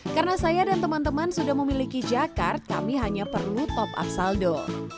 karena saya dan teman teman sudah memiliki jakart kami hanya perlu top up saldo